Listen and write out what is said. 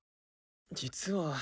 実は。